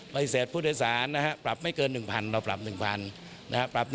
ปฏิเสธผู้โดยศาลปรับไม่เกิน๑๐๐๐เราปรับ๑๐๐๐